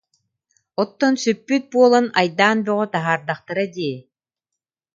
Оттон сүппүт буолан айдаан бөҕө таһаардахтара дии